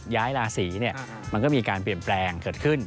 ในทางโหระสัตว์ย้ายราศรีมันก็มีการเปลี่ยนแปลงเกิดขึ้น